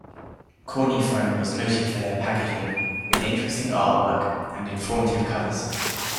Kornyfone was noted for their packaging, with interesting artwork and informative covers.